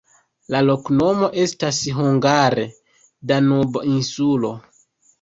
La loknomo estas hungare: Danubo-insulo.